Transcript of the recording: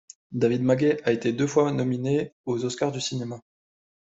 David Magee a été deux fois nominé aux Oscars du cinéma.